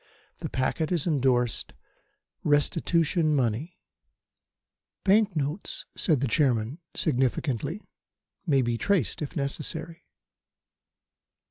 The packet is endorsed 'Restitution money.'" "Bank notes, gentlemen," said the Chairman significantly, "may be traced if necessary."